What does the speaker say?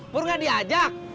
pur ga diajak